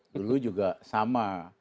dulu juga sama